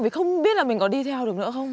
vì không biết là mình có đi theo được nữa không